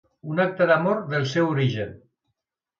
Un acte d’amor del seu origen.